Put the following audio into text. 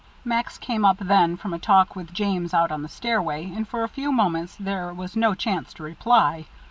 Max came up then, from a talk with James out on the stairway, and for a few moments there was no chance to reply.